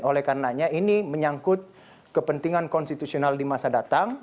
olehkannya ini menyangkut kepentingan konstitusional di masa datang